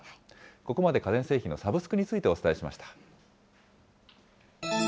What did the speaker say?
ここまで家電製品のサブスクについてお伝えしました。